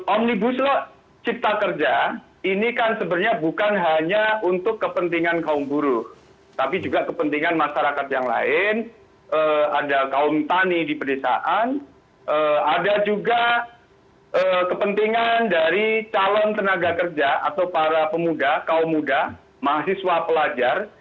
omnibus lho cipta kerja ini kan sebenarnya bukan hanya untuk kepentingan kaum buruh tapi juga kepentingan masyarakat yang lain ada kaum tani di pedesaan ada juga kepentingan dari calon tenaga kerja atau para pemuda kaum muda mahasiswa pelajar